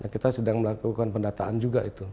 kita sedang melakukan pendataan juga itu